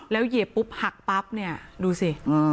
เหยียบปุ๊บหักปั๊บเนี่ยดูสิ